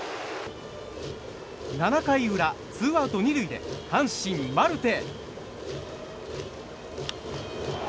７回裏、ツーアウト２塁で阪神、マルテ。